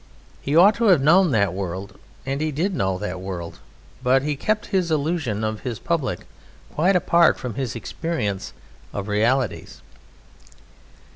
He ought to have known that world, and he did know that world, but he kept his illusion of his Public quite apart from his experience of realities.